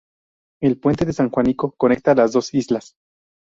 El puente de San Juanico conecta las dos islas.